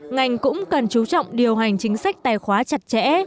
ngành cũng cần chú trọng điều hành chính sách tài khóa chặt chẽ